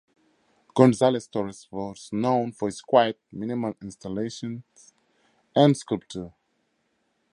Gonzalez-Torres was known for his quiet, minimal installations and sculptures.